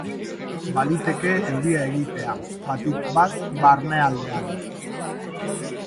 Baliteke euria egitea, batik bat barnealdean.